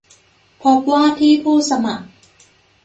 พบว่าที่ผู้สมัคร